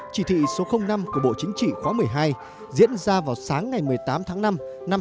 chỉ thị số năm của bộ chính trị khóa một mươi hai diễn ra vào sáng ngày một mươi tám tháng năm năm hai nghìn hai mươi